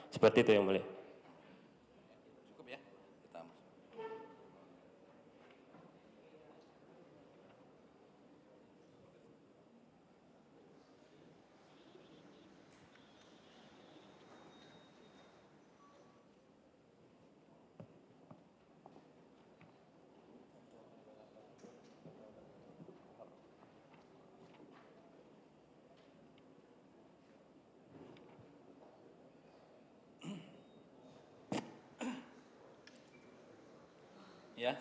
seperti itu yang mulia